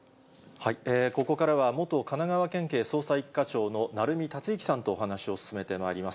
ここからは元神奈川県警捜査一課長の鳴海達之さんとお話を進めてまいります。